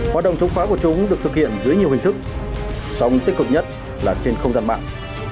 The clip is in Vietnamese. hoạt động chống phá của chúng được thực hiện dưới nhiều hình thức song tích cực nhất là trên không gian mạng